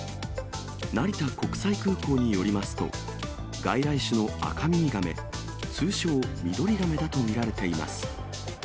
成田国際空港によりますと、外来種のアカミミガメ、通称ミドリガメだと見られています。